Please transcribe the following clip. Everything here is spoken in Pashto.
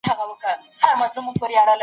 عدالت کوونکي خلګ د خدای استازي ګڼل کيږي.